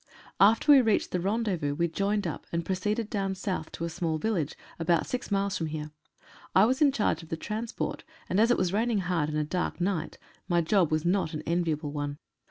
After we reached the rendezvous we joined up, and pro ceeded down South to a small village, about six miles from here. I was in charge of the transport, and as it was raining hard, and a dark night, my job was not an enviable one.